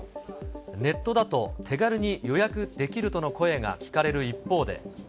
ネットだと手軽に予約できるとの声が聞かれる一方で。